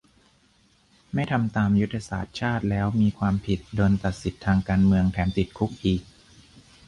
ไม่ทำตามยุทธศาสตร์ชาติแล้วมีความผิด โดนตัดสิทธิ์ทางการเมือง แถมติดคุกอีก